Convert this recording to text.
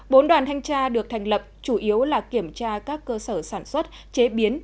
bốn đoàn thanh tra được thành lập chủ yếu là kiểm tra các cơ sở sản xuất chế biến